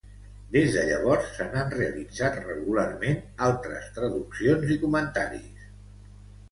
Des de llavors, se n'han realitzat regularment altres traduccions i comentaris.